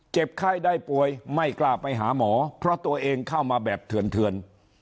ไข้ได้ป่วยไม่กล้าไปหาหมอเพราะตัวเองเข้ามาแบบเถื่อน